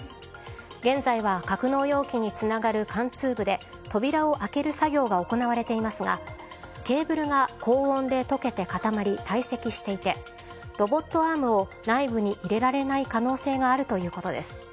現在は格納容器につながる貫通部で扉を開ける作業が行われていますがケーブルが高温で溶けて固まり堆積していてロボットアームを内部に入れられない可能性があるということです。